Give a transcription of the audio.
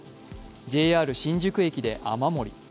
ＪＲ新宿駅で雨漏り。